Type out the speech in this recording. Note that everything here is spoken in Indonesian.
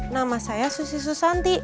nama saya susi susanti